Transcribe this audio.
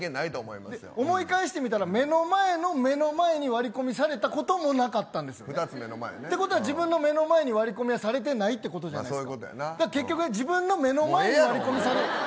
思い返してみたら目の前の目の前に割り込みされたこともなかったんです。ということは自分の目の前に割り込みはされてないということじゃないですか。